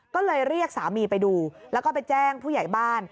ก็เลยเรียกสามีไปดูแล้วก็ไปแจ้งผู้ใหญ่บ้าน